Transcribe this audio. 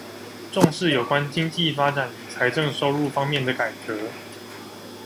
重視有關經濟發展與財政收入方面的改革